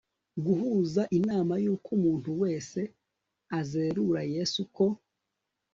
guhuza inama yuko umuntu wese uzerura Yesu ko